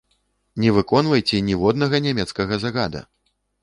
Не выконвайце ніводнага нямецкага загада!